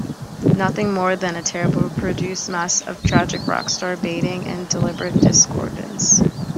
Nothing more than a terribly produced mess of tragic rock-star baiting and deliberate discordance.